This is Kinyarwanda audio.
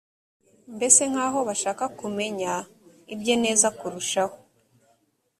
mbese nk aho bashaka kumenya ibye neza kurushaho